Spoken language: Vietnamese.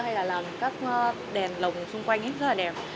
hay là làm các đèn lồng xung quanh ấy rất là đẹp